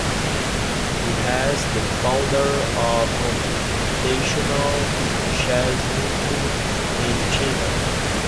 He was the founder of computational chemistry in China.